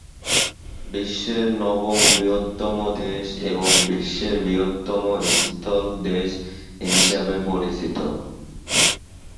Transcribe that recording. বিশ্বের নবম বৃহত্তম দেশ এবং বিশ্বের বৃহত্তম স্থল দেশ হিসাবে পরিচিত।